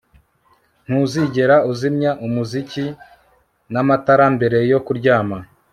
ntuzigera uzimya umuziki n'amatara mbere yo kuryama